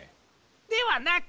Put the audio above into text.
ではなく！